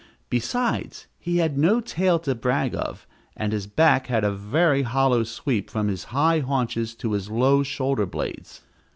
Besides, he had no tail to brag of; and his back had a very hollow sweep from his high haunches to his low shoulder blades.